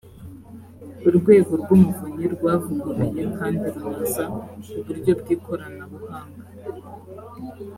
urwego rw umuvunyi rwavuguruye kandi runoza uburyo bw ikoranabuhanga